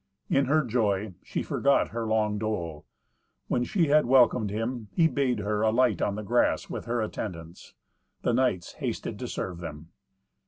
In her joy she forgot her long dole. When she had welcomed him, he bade her alight on the grass with her attendants. The knights hasted to serve them.